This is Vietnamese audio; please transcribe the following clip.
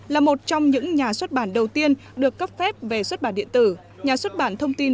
là một trong những nhà xuất bản đầu tiên được cấp phép về xuất bản điện tử nhà xuất bản thông tin